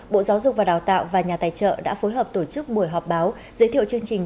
bộ giáo dục và đào tạo và nhà tài trợ đã phối hợp tổ chức buổi họp báo giới thiệu chương trình